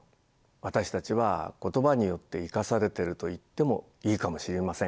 私たちは言葉によって生かされてると言ってもいいかもしれません。